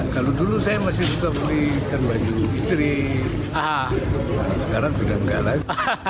kalau dulu saya masih suka beli baju istri sekarang sudah enggak lagi